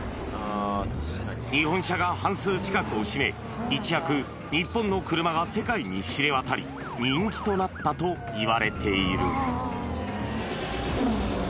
日本車が半数近くを占め、一躍、日本の車が世界に知れ渡り、人気となったといわれている。